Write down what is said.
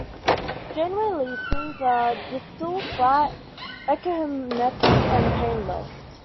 Janeway lesions are distal, flat, ecchymotic, and painless.